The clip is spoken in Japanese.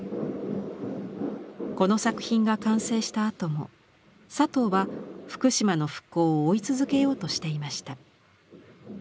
この作品が完成したあとも佐藤は福島の復興を追い続けようとしていました。